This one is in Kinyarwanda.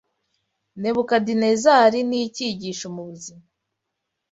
Nebukadenezari ni icyigisho mu buzima